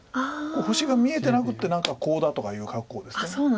星が見えてなくてコウだとかいう格好ですから。